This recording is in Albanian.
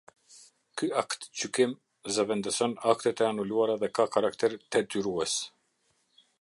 Ky aktgjykim zëvendëson aktet e anulura dhe ka karakter detyrues.